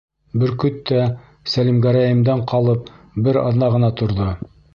Бөркөт тә Сәлимгәрәйемдән ҡалып бер аҙна ғына торҙо.